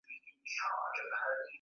Khardi Fessa akawa na haya ya kusema